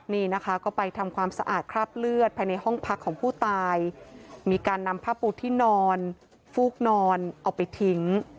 นี่นะคะก็ไปทำความสะอาดคราบเลือดภายในห้องพักของผู้ตายมีการนำผ้าปูที่นอนฟูกนอนเอาไปทิ้ง